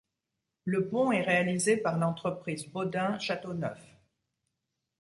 Le pont est réalisé par l'entreprise Baudin Chateauneuf.